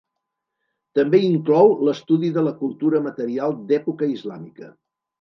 També inclou l'estudi de la cultura material d'època islàmica.